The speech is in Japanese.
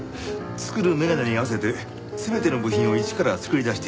作る眼鏡に合わせて全ての部品を一から作り出していきます。